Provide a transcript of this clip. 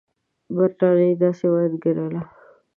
برټانیې داسې وانګېرله.